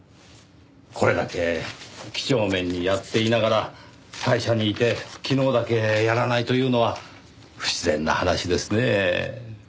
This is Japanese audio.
これだけ几帳面にやっていながら会社にいて昨日だけやらないというのは不自然な話ですねぇ。